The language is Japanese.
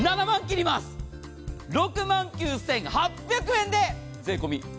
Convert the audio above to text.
６万９８００円で税込み。